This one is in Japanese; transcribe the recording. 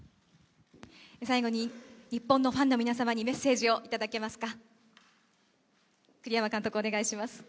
最後に、日本のファンの皆様にメッセージをいただけますか。